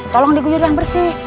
tolong diguyur yang bersih